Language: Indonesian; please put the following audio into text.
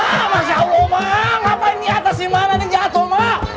emak masya allah emak ngapain diatas si emak yang jatuh emak